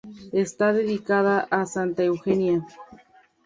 Está dedicada a Santa Eugenia.